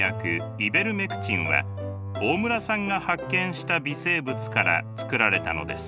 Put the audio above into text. イベルメクチンは大村さんが発見した微生物から作られたのです。